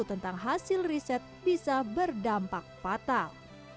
tentang hasil riset bisa berdampak fatal